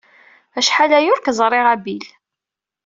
Acḥal aya ur k-ẓriɣ a Bill.